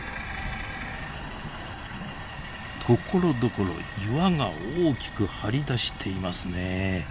ところどころ岩が大きく張り出していますねえ。